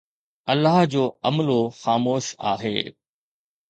الله جو عملو خاموش آهي